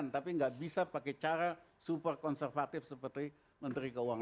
tapi nggak bisa pakai cara super konservatif seperti menteri keuangan